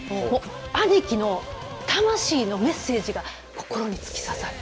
アニキの魂のメッセージが心に突き刺さる。